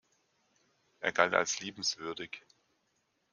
Er galt als liebenswürdig.